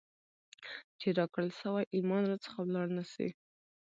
چي راکړل سوئ ایمان را څخه ولاړ نسي ،